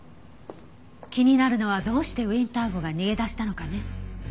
気になるのはどうしてウィンター号が逃げ出したのかね。